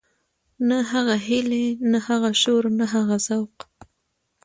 نه هغه هيلې نه هغه شور نه هغه ذوق.